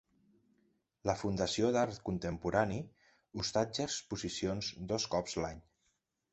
La Fundació d'Art Contemporani hostatja exposicions dos cops l'any.